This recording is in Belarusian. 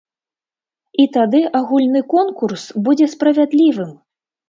І тады агульны конкурс будзе справядлівым.